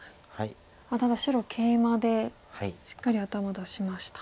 ただ白ケイマでしっかり頭出しました。